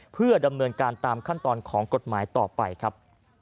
เพื่อดำเนินการตามขั้นตอนของกฎหมายต่อไปครับ